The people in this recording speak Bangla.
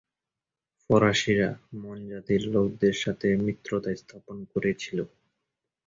ফরাসিরা মন জাতির লোকদের সাথে মিত্রতা স্থাপন করেছিল।